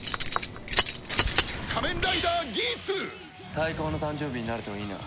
最高の誕生日になるといいな。